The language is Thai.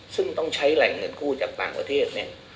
ซึ่งต้องใช้แหล่งเงินกู้จากต่างประเทศเนี่ย